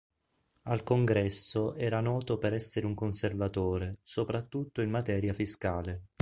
Al Congresso era noto per essere un conservatore, soprattutto in materia fiscale.